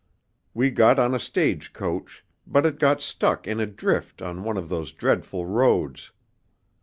We got on a stage coach, but it got stuck in a drift on one of those dreadful roads.